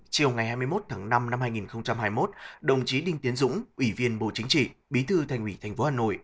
chiều ngày hai mươi một tháng năm năm hai nghìn hai mươi một đồng chí đinh tiến dũng ủy viên bộ chính trị bí thư thành ủy tp hà nội